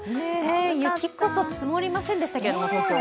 雪こそ積もりませんでしたけども、東京は。